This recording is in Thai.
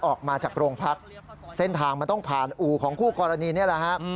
ออกมาจากโรงพักเส้นทางมันต้องผ่านอู่ของคู่กรณีนี่แหละฮะ